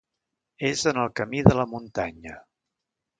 És en el Camí de la Muntanya.